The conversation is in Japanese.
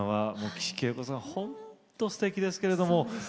岸惠子さん、本当にすてきですけれども。